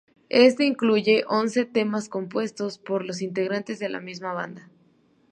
Éste incluye once temas compuestos por los integrantes de la misma banda.